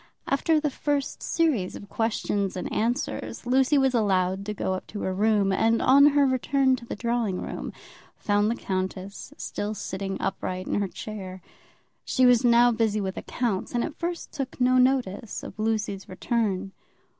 After the first series of questions and answers, Lucy was allowed to go up to her room, and on her return to the drawing room, found the countess still sitting upright in her chair. She was now busy with accounts, and at first took no notice of Lucy's return.